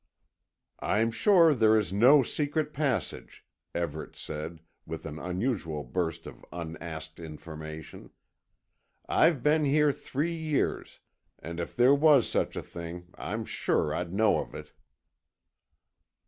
"I'm sure there is no secret passage," Everett said, with an unusual burst of unasked information. "I've been here three years and if there was such a thing I'm sure I'd know of it."